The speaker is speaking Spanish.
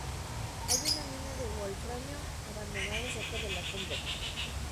Hay una mina de wolframio abandonada cerca de la cumbre.